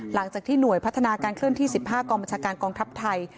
หลังจากที่หน่วยพัฒนาการเคลื่อนที่๑๕กองบัญชาการกองทัพไทย